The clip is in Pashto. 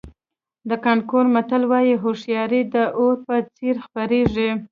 د کانګو متل وایي هوښیاري د اور په څېر خپرېږي.